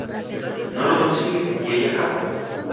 No lo consigue y ella escapa.